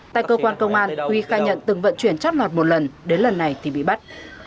tại cơ quan công an huy khai nhận từng vận chuyển chót lọt một lần đến lần này thì bị bắt